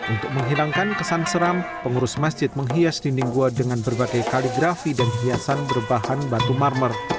untuk menghilangkan kesan seram pengurus masjid menghias dinding gua dengan berbagai kaligrafi dan hiasan berbahan batu marmer